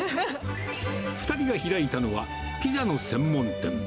２人が開いたのは、ピザの専門店。